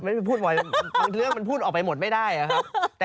บางเรื่องมันพูดออกไปหมดไม่ได้ครับ